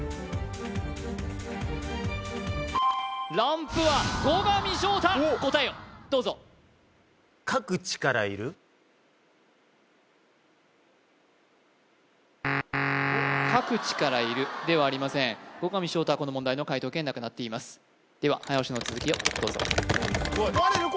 ランプは後上翔太答えをどうぞかくちからいるではありません後上翔太はこの問題の解答権なくなっていますでは早押しの続きをどうぞ・壊れる